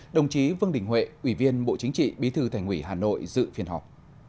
đồng chí vương đình huệ ủy viên bộ chính trị bí thư thành ủy hà nội dự phiên họp